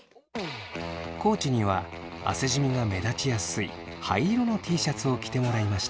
地には汗じみが目立ちやすい灰色のＴシャツを着てもらいました。